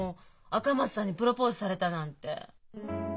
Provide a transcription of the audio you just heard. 赤松さんにプロポーズされたなんて。